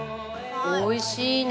おいしいね。